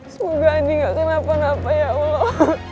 semoga ini gak kenapa napa ya allah